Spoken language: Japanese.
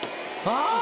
ああ！